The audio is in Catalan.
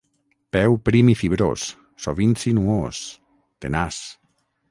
Peu prim i fibrós, sovint sinuós, tenaç.